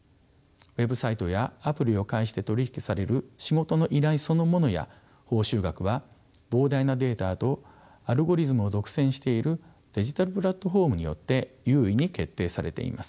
ウェブサイトやアプリを介して取り引きされる仕事の依頼そのものや報酬額は膨大なデータとアルゴリズムを独占しているデジタルプラットフォームによって優位に決定されています。